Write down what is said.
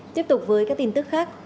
tiếp tục với các tin tức khác